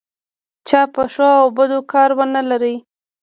چا په ښو او بدو کار ونه لري.